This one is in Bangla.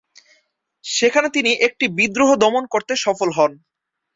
সেখানে তিনি একটি বিদ্রোহ দমন করতে সফল হন।